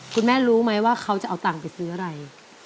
คุณแม่รู้ไหมว่าเขาจะเอาตังค์ไปซื้ออะไร